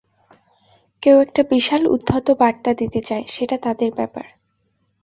কেউ একটা বিশাল উদ্ধত বার্তা দিতে চায়, সেটা তাদের ব্যাপার।